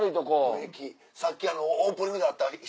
駅さっきオープニングで会った人。